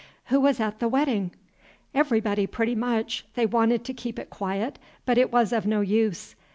"Who was at the wedding?" "Everybody, pretty much. They wanted to keep it quiet, but it was of no use.